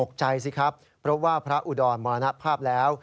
ก็เลยไม่ได้ดูเข้าหัวน้ำไสเกียดผมไปแล้ว